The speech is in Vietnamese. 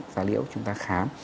giá liệu chúng ta khám